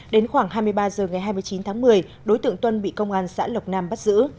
đến khoảng hai mươi ba h ngày hai mươi chín tháng một mươi đối tượng tuân bị công an xã lộc nam bắt giữ